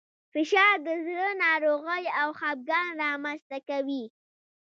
فشار د زړه ناروغۍ او خپګان رامنځ ته کوي.